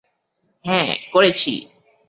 হ্যাঁ, করেছি!